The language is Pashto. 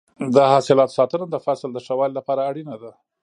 د حاصلاتو ساتنه د فصل د ښه والي لپاره اړینه ده.